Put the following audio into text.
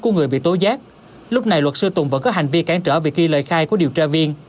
của người bị tố giác lúc này luật sư tùng vẫn có hành vi cản trở vì khi lời khai của điều tra viên